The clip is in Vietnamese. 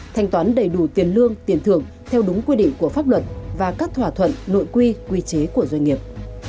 thanh toán đầy đủ tiền lương tiền thưởng theo đúng quy định của pháp luật và các thỏa thuận nội quy quy chế của doanh nghiệp